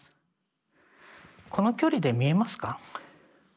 この距離で見えますか？